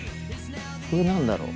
これ何だろう？